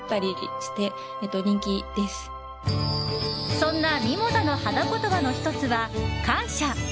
そんなミモザの花言葉の１つは感謝。